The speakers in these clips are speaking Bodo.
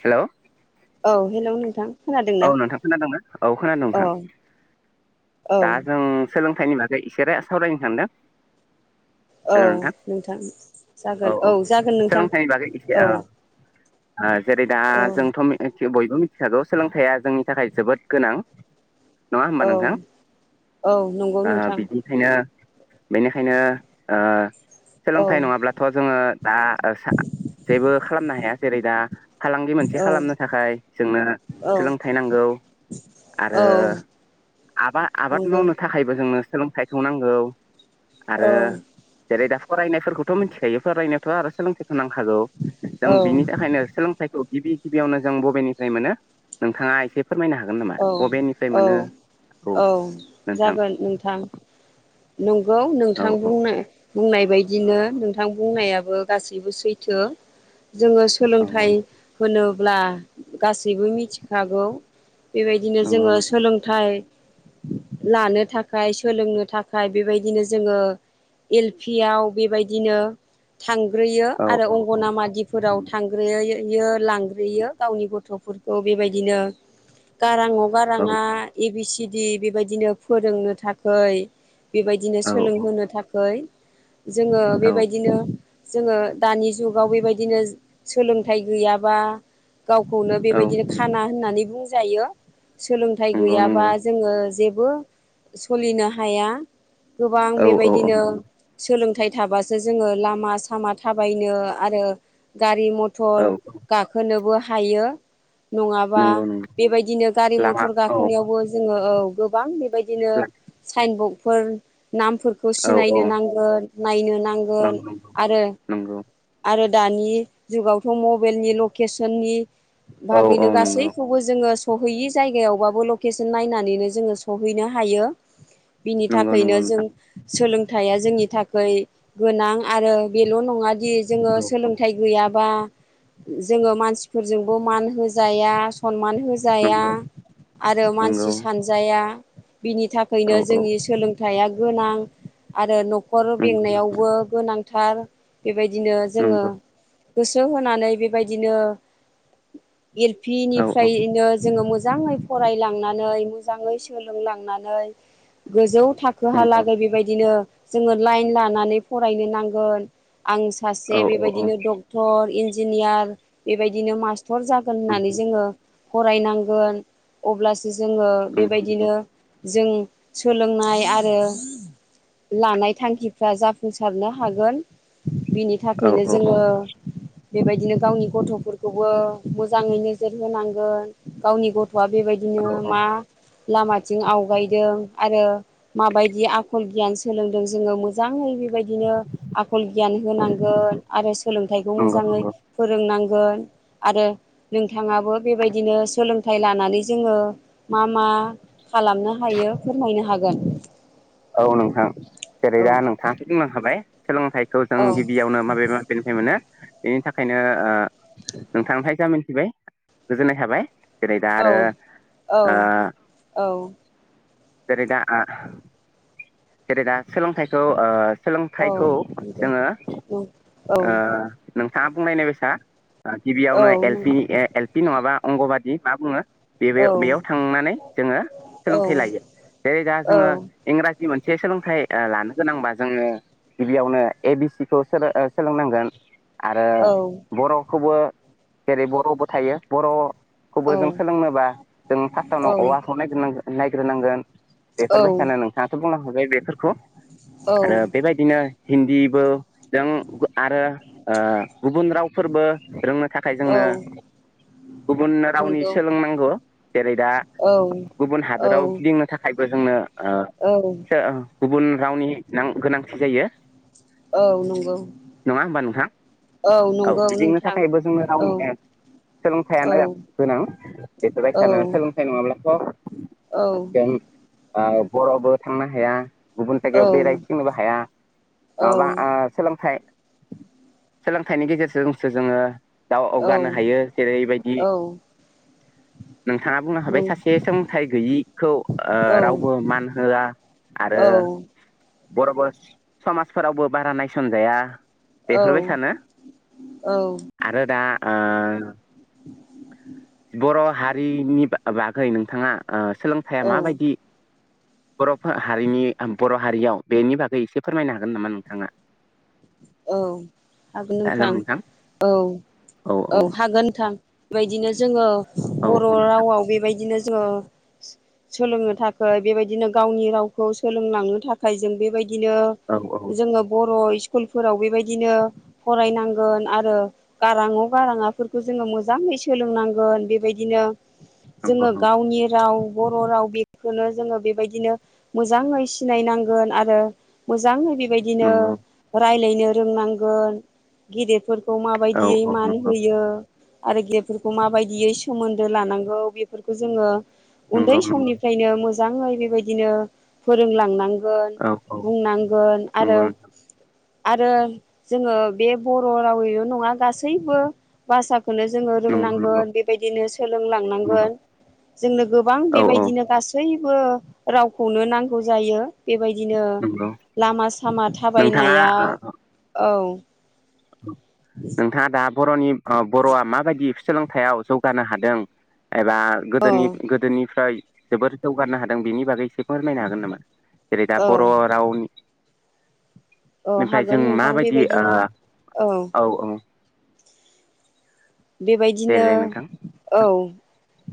हेल' औ हेल' नोंथां औ खोनादोंना नोंथां खोनादोंना औ खोनादों औ नोंथां औ दा जों सोलोंथाइनि बागै इसे रा सावरायनो सानदों। औ नोंथां। जागोन औ जागोन नोंथां सोलोंथाइनि बागै एसे औ। ओ जेरै दा औ जोंथ' मिथि बयबो मिथिखागौ सोलोंथाइया जोंनि थाखाय जोबोद गोनां। नंंङा औ होमबा नोंथां? औ नंगौ ओ नोंथां बिदिनिखायनो बेनिखायनो ओ औ सोलोंथाइ नङाब्लाथ' जोङो दा सा जेबो खालामनो हाया जेरै दा फालांगि मोनसे औ खालामनो थाखाय जोंनो औ सोलोंथाइ नांगौ। आरो औ आबा आबाद नंगौ मावनो थाखायबो जोंनो सोलोंथाइखौ नांगौ आरो औ जेरै दा फरायनायफोरखौथ' मिथिखायो फरायनायावथ' आरो सोलोंथाइखौ नांखागौ जों औ बिनि थाखायनो सोलोंथाइ खौ गिबि गिबियावनो जों बबेनिफ्राय मोनो नोंथाङा एसे फोरमायनो हागोन नामा औ बबेनिफ्राय औ मोनो औ नोंथां जागोन नोंथां नंगौ औ नोंथां औ बुंना बुंनाय बायदिनो नोंथां बुंनायाबो गासैबो सैथो। जोङो औ सोलोंथाइ होनोब्ला गासैबो मिथिखागौ। बेबायदिनो नंगौ जोङो नंगौ सोलोंथाइ लानो थाखाय सोलोंनो था खाय बेबायदिनो जोङो एल पियाव बेबायदिनो थांग्रोयो औ आरो औ अंगनामादिफोराव थांग्रोयै यो लांग्रोयो गावनि गथ'फोरखौ बेबायदिनो गारांअ औ गारांआ ए बि सि डि बेबायदिनो फोरोंनो थाखैै बेबायदिनो सोलोंहोनो थाखै जोङो औ बेबायदिनो जोङो दानि जुगाव बेबायदिनो सोलोंथाइ गैयाबा गावखौनो औ बेबायदिनो खाना होननानै बुंजायो सोलोंथाइ नंगौ गैयाबा नंगौ जोङो जे बो सलिनो हाया गोबां औ औ औ बेबायदिनो सोलोंथाइ थाबासो जोङो लामा सामा थाबायनो आरो गा रि मटर गाखोनोबो हायो । नङाबा नंगौ नंगौ बेबायदिनो गारि लामा मटर औ गाखोनायावबो जोङो औ गोबां बि बायदिनो साइनबकफोर नामफोरखौ औ औ सिनायनो नांगोन नायनो नांगोन नंगौ आरो नंगौ आरो दानि जुगावथ' मबेलनि लकेसननि औ औ बागैनो नंगौ गासैखौबो जोङो सहैयि जायगायावबाबो लकेसन नायनानैनो जोङो सहैनो हायो। बिनि नंगौ नंगौ थाखायनो जों नोंथां सोलों थाया जोंनि थाखै गोनां आरो बेल' नङा दि जोङो औ औ सोलोंथाइ गैयाबा जोङो मानसिफोरजोंबो मान होजाया सनमान होजाया नंगौ आरो नंगौ मानसि सानजाया बिनि था औ खैनो औ जोंनि सोलोंथाइया गोनां आरो न' नखर नंगौ बेंनायावबो गोनांथार बेबायदिनो जोङो नंगौ गोसो होनानै बेबायदिनो एल पि औ औ निफ्रायनो जोङो मो मोजाङै फरायलांनानै मोजाङै सोलोंलांनानै गोजौ नंगौ थाखोहालागै बेबायदिनो जोङो लाइन लानानै फरायनो नांगोन। आं औ सासे औ औ बेबायदिनो डक्टर इन्जिनियार बेबायदिनो मास्ट टर जागोन होननानै नंगौ जोङो फरायनांगोन अब्लासो जोङो नंगौ नंगौ बेबायदिनो जों सोलोंनाय आरो लानाय थांखिफ्रा जाफुंसारनो हागोन। बिनि औ थाखायनो औ औ जोङो बेबायदिनो गावनि गथ'फोरखौबो मोजाङै नोजोर होनांगोन गावनि गथ' गथवा बेबायदिनो मा लामाथिं आवगायदों आरो माबायदि आखल गियान सोलोंदों जोङो मोजाङै बे बायदिनो आखल गियान होनांगोन आरो सोलोंथाइखौ नंगौ मोजाङै नंगौ फोरों नां गोन आरो नोंथाङाबो बेबायदिनो सोलों थाइ लानानै जोङो मा मा खालामनो हायो फोरमायनो हागोन औ नोंथां जेरै औ दा नोंथाङाथ' बुंलांखाबाय सोलोंथाइखौ जों औ गिबियावनो माबे माबेनिफ्राय मोनो बेनि थाखायनो ओ नोंथांनिफ्राय जा मोनथिबाय गोजोननाय थाबाय। जेरै दा औ आरो औ ओ जेरै दा आ जेरै दा सोलोंथाइखौ ओ औ सोलोंथाइखौ जोङो औ ओ नोंथाङा बुंलायनाय बायसा औ गिबियावनो एल पि नंगौ ए एल पि नङाबा अंग'बादि मा बुङो? बे बे औ बेयाव थांनानै जोङो सोलोंथाइ लायो जेरै दा औ जोङो इंरा जि मोनसे सोलोंथाइ ओ लानो गोनांबा जोङो गिबियावनो ए बि सि खौ सोलो ओ सोलोंनांगोन आरो बर'खौबो जेरै बर'बो थायो बर' औ खौबो जों सोलोंनोबा जों फार्स्टआवनो अ आखर नायग्रोनांगो नायग्रोनांगोन औ बेफोरबायसानो नोंथाङाथ' बुंना हरबाय बेफोरखौ आरो औ बेबायदिनो हिन्दीबो जों आरो ओ गुबुन राव फोरबो रोंनो थाखाय औ जोंनो गुबुन रावनि नंगौ सोलोंनांगौ जेरै दा औ गुबुन औ हादोराव गिदिंनो थाखाय बो जोंनो ओ औ गुबुन रावनि गोनां गोनांथि जायो। औ नंगौ नङा होमबा नोंथां औ नंगौ गदिंनो नोंथां थाखायबो जोंनो औ रावनि औ सोलोंथाइयानो गोनां औ बेफोरबायसानो सोलोंथाइ नङाब्लाथ औ जों ओ बरबो थांनो हाया गुबुन जायगायाव नों बेरायथिंनोबो हाया नङाबा औ ओ सोलोंथाइ सोलोंथाइनि गेजेरजोंसो जोङो दाउ अवगानो हायो जेरैबायदि नोंथाङा बुंनो हाबाय सासे सोलोंथाइ गैयिखौ ओ रावबो मान होआ औ बरबो समाजफोरावबो बारा नायसनजाया बेफोरबायसानो आरो दा ओ बर' हारिनि बागै नोंथाङा ओ औ सोलोंथाइया माबायदि बर हारिनि बर हारियाव बेनि बागै एसे फोरमायनो हागोन नामा नोंथाङा? [inaudible] औ हागोन नोंथां औ औ हागोन थां बेबायदिनो जोंङो औ बर औ नोंथां रावाव बेबायदिनो जों सोलोंनो थाखाय बेबायदिनो गावनि रावखौ सोलोंलांनो थाखाय जों बेबायदि बिदिनो औ औ जोंङो बर फोराव बेबायदिनो फरायनांगोन आरो गारां अ गारां आ फोरखौ जोंङो मोजां एसे सोलोंनांगोन बेबायदिनो नंगौ जोंङो गावनि राव बर राव बेखौनो जोंङो बेबायदिनो मोजाङै सिनायनांगोन आरो मोजाङै बेबायदिनो नंगौ रायलायनो रोंनांगोन गेदेरफोर- खौ औ माबायदियै औ मान होयो आरो गेदेरफोरखौ माबायदियै सोमोन्दो लानांगौ बेफोरखौ जोङो उन्दै नंगौ नंगौ समनिफ्रायनो मोजांङै बेबायदिनो फोरोंलांनां गोन औ औ बुंनांगोन आरो नंगौ आरो जोंङो बे बर रावैल नङा गासैबो भाषा खौनो जोंङो नंगौ नंगौ रोंनांगोन बेबायदिनो नंगौ सोलोंलांनांगोन। जोंनो गोबां औ औ बेबायदिनो गासैबो रावखौनो नांगौ जायो। बेबायदिनो नंगौ लामा सामा नोंथाङा थाबायनायाव ओ औ नोंथाङा दा बरनि बरआ माबायदि सोलोंथायाव जौगानो हादों एबा औ गोदोनि गोदोनिफ्राय जोबोर जौगानो हादों बेनि बागै एसे फोरमायनो हागोन नामा जेरै दा औ बर रावनि औ ओमफ्राय जों हागोन नोंथां माबायदि ओ बेबायदिनो औ औ बेबायदिनो देलाय नोंथां औ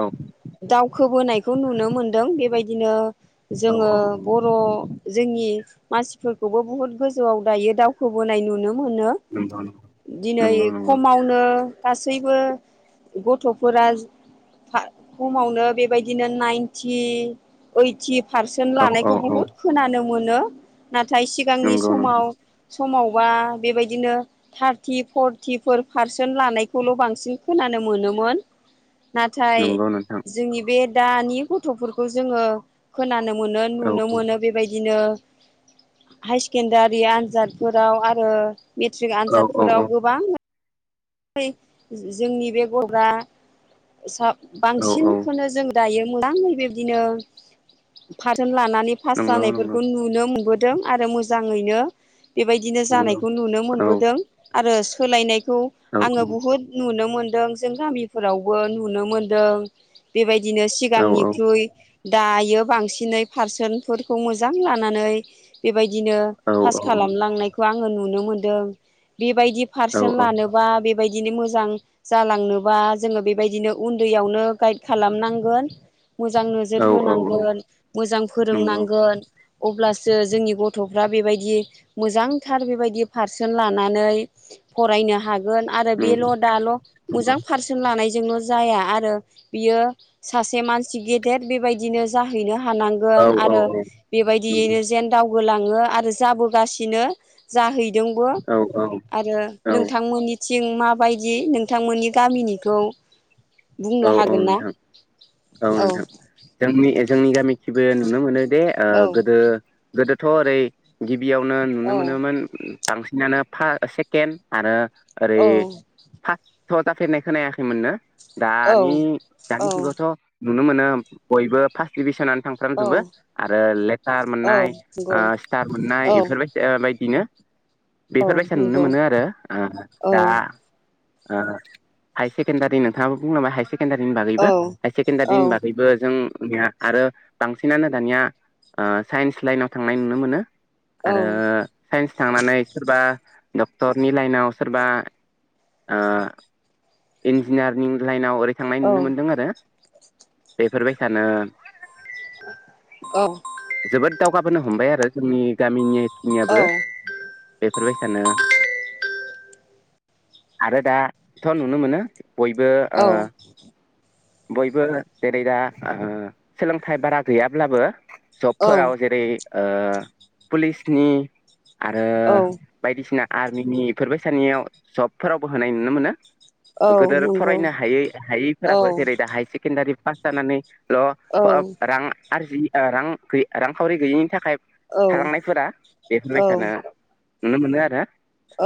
औ दावक्ष खोबोनायखौ नुनो मोनदों बेबायदिनो औ जोंङो औ औ बर जोंनि मानसिफोरखौबो बुहुत गोजौआव दायो दावखोबोनाय नुनो मोनो नंगौ दिनै नंगौ नंगौ खमावनो गासैबो गथफोरा खमावनो बेबायदिनो नाइनटि ओइटि पारसेन्ट औ औ लानायखौ औ बहुत खोनानो मोनो नाथाय सिगांनि नंगौ नंगौ समाव समावबा बेबायदिनो थार्टि फरटिफोर पारसेन्ट लानाय खौल बांसिन खोनानो मोनोमोन नाथाय नंगौ नोंथां जोंनि बे दानि गथफोरखौ जोऔङो खोनानो मोनो औ नुनो मोनो बेबायदिनो हाय सेकेण्डारि आनजादफोराव आरो मेट्रिक औ औ आनजादफोराव औ गोबां जोंनि बे गग्रा औ औ सा-बांसिनखौनो जों दायो मोजांङै बिबदिनो फारसोन लानानै पास नंगौ नंगौ जानायफोरखौ नुनो मोनबो दों आरो मोजांङैनो बेबायदिनो नंगौ जानायखौ नुनो औ मोनबोदों आरो सोलायनायखौ औ आंङो बुहुद नुनो मोन दों जों गामिफोरावबो नुनो मोनदों बेबायदिनो औ सिगांनिख्रुइ दायो बांसिनै पारसन्फोरखौ मोजां लानानै बेबायदि दिनो औ फास खालाम लांनायखौ आंङो नुनो मोनदों बिबायदि औ पारसेन लानो आ बेबायदिनो मोजां जालांनोबा जोंङो बेबायदिनो उन्दैयावनो गाइड खालामनांगोन। मोजां नोजोर औ औ होनांगोन मोजां नंगौ फोरोंनांगोन अब्लासो जोंनि गथ'फ्रा बेबायदि मोजांथार बेबायदि पारसेन्ट लानानै फरायनो हागोन आरो बेल' नंगौ दाल' मोजां पारसेन्ट लानायजोंल' जाया आरो बियो सासे मानसि गेदेर बेबायदिनो जाहैनो हा हानांगोन औ औ आरो औ बेबायदियैनो जेन दाव बोलांङो आरो जाबोगासिनो जाहै जोंबो औ आरो औ नोंथांमोननि थिं माबायदि नोंथांमोननि गामिनिखौ औ बुंनो औ हागोन ना नोंथां। औ नोंथां। जोंनि ए जोंनि गामि खिबो नुनो मोनो जे ओ औ गोदो गोदोथ' ओरै गि बियावनो नुनो औ मोनोमोन बांसिनानो पा सेकेन्ड आरो औ ओरै फासथ' जाफेरनाय खोनायाखैमोनना? दानि औ दानि औ जुगावथ' नुनो मोनो बयबो फार्स्ट डिभिसनानो थांफ्रामजोबो औ आरो लेटार मोननाय औ ओ नंगौ स्टार औ मोननाय इफोरबायद ओ बायदिनो। औ बेफोरबायसा नुनो नंगौ मोनो आरो। ओ औ दा ओ हाय सेकेण्डारि नोंथांङाबो बुंलांबाय हाइसेके सेकेणडारिनि बागैबो औ हाय औ सेकेण्डारिनि बागैबो जों निया आरो बांसिनानो दानिया ओ साइन्स लाइनाव थांनाय नुनो मोनो। औ। आरो साइन्स थांनानै सोरबा डक्टरनि लाइनाव सोरबा ओ इन्जिनियारिं लाइनाव ओरै थांनाय नुनो मोनदों आरो। बेफोरबाय सानो जोबोद दावगाबोनो हमबाय आरो जोंनि गामिनि खिनियाबो बेफोरबाय सानो आरो दा थ' नुनो मोनो बयबो ओ औ बयबो जेरै दा ओ सोलोंथाइ बारा गैयाब्लाबो औ जबफोराव जेरै ओ पुलिसनि आरो औ बायदिसिना आर्मिनि इफोरबायसानियाव जबफोरावबो होनाय नुनो मोनो। औ गोदोर नंगौ फरायनो हायै औ हायैफोराबो जेरै दा हाय सेकेण्डारि पास जानानै ल' औ फ' ओ रां आरजि ओ रां गै रांखावरि गैयैनि थाखाय थालांनायफोरा औ बेफोरबायसानो नुनो मोनो आरो।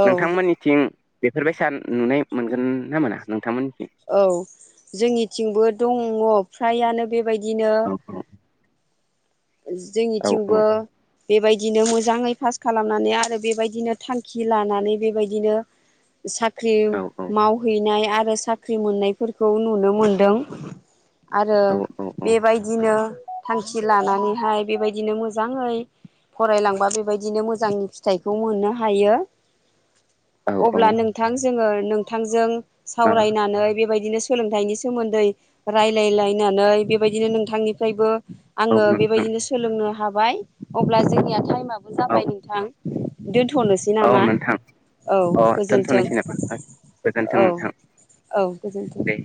औ नोंथांमोननिथिं बेफोरबायसा नुनाय मोनगोन ना मोना? नोंथांमोन औ जोंनिथिंबो दङ फ्रायानो बेबायदिनो औ औ जोंनिथिंबो बेबायदिनो मोजाङै पास खालामनानै आरो बेबायदिनो थांखि लानानै बेबायदिनो साख्रि औ मावहैनाय आरो साख्रि मोननायफोरखौ नुनो मोनदों। आरो औ औ औ बेबायदिनो थांखि लानानैहाय बेबायदिनो मोजांङै फरायलांबा बेबायदिनो मोजांनि फिथाइखौ मोननो हायो। औ औ अब्ला नोंथां जोंङो नोंथांजों ओ सावरायनानै बेबायदिनो सोलोंथाइनि सोमोन्दै रायलायलायनानै बेबायदिनो नोंथांनिफ्रायबो औ आङो बे नोंथां बादिनो सोलोंनो हाबाय अब्ला जोंनिया टाइमाबो औ जाबाय नोंथां, दोन थ'नोसै औ नामा? नोंथां औ। अ गोजोन्थों दोनथ'नोसै नामा गोजोन्थों औ। नोंथां औ गोजोनथों। दे